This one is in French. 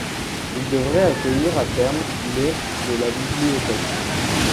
Il devrait accueillir à terme les de la bibliothèque.